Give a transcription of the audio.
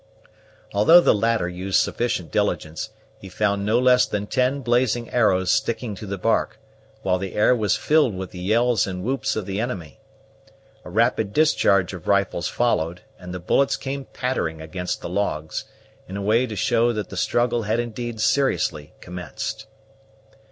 Although the latter used sufficient diligence, he found no less than ten blazing arrows sticking to the bark, while the air was filled with the yells and whoops of the enemy. A rapid discharge of rifles followed, and the bullets came pattering against the logs, in a way to show that the struggle had indeed seriously commenced.